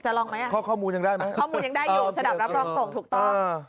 จะลองไหมทราบร่องตรงถูกต้อง